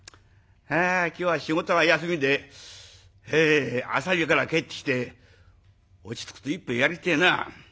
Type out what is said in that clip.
今日は仕事が休みで朝湯から帰ってきて落ち着くと一杯やりてえな。